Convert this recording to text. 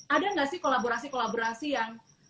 ada nggak sih kolaborasi kolaborasi yang